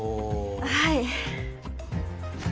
はい。